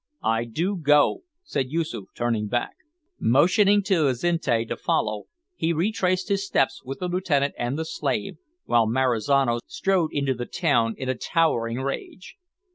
"I do go," said Yoosoof, turning back. Motioning to Azinte to follow, he retraced his steps with the lieutenant and the slave while Marizano strode into the town in a towering rage.